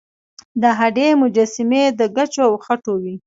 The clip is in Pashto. د هډې مجسمې د ګچو او خټو وې